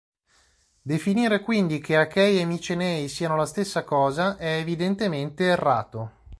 Definire quindi che Achei e Micenei siano la stessa cosa è evidentemente errato.